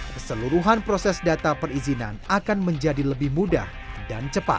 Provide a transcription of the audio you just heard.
keseluruhan proses data perizinan akan menjadi lebih mudah dan cepat